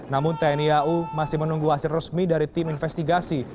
namun tni au masih menunggu hasil resmi dari tim investigasi